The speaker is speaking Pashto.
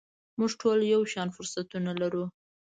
موږ ټول یو شان فرصتونه لرو .